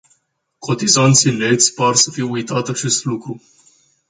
Cotizanții neți par să fi uitat acest lucru.